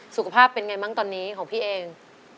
สุขภาพเป็นไงบ้างตอนนี้ของพี่เอง